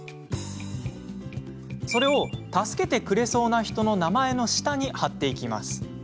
それを助けてくれそうな人の名前の下に貼っていきます。